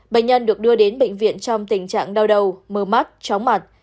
bệnh nhân được đưa đến bệnh viện trong tình trạng đau đầu mờ mắt chóng mặt